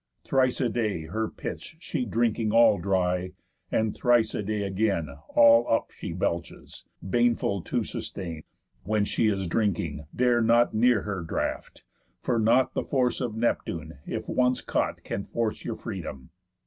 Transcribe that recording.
Thrice a day her pits She drinking all dry, and thrice a day again All up she belches, baneful to sustain. When she is drinking, dare not near her draught, For not the force of Neptune, if once caught, Can force your freedom.